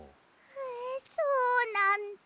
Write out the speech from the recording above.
えそうなんだ。